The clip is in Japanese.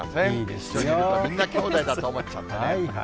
一緒にいるとみんなきょうだいだと思っちゃってね。